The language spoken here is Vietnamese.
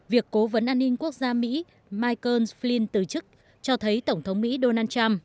việc cố vấn an ninh quốc gia mỹ michael splen từ chức cho thấy tổng thống mỹ donald trump